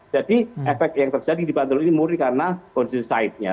jadi efek yang terjadi di bantul ini murid karena kondisi saibnya